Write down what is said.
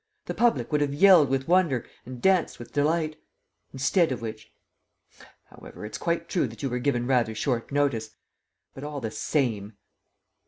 The public would have yelled with wonder and danced with delight. Instead of which ... However, it's quite true that you were given rather short notice ... but all the same